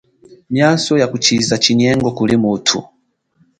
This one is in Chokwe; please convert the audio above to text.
Miaso ya kushiza chinyengo kuli mutu.